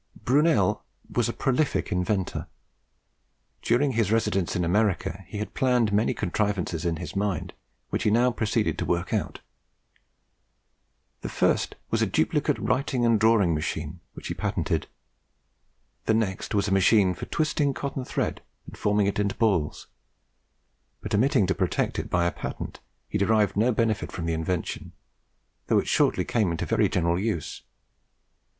Brunel was a prolific inventor. During his residence in America, he had planned many contrivances in his mind, which he now proceeded to work out. The first was a duplicate writing and drawing machine, which he patented. The next was a machine for twisting cotton thread and forming it into balls; but omitting to protect it by a patent, he derived no benefit from the invention, though it shortly came into very general use.